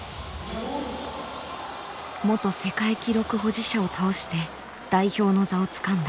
元世界記録保持者を倒して代表の座をつかんだ。